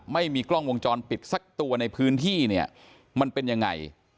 ไม่มีกล้องวงจรปิดสักตัวในพื้นที่เนี่ยมันเป็นยังไง